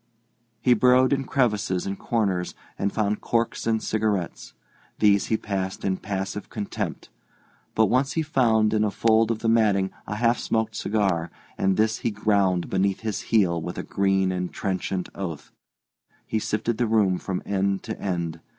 He burrowed in crevices and corners, and found corks and cigarettes. These he passed in passive contempt. But once he found in a fold of the matting a half smoked cigar, and this he ground beneath his heel with a green and trenchant oath. He sifted the room from end to end.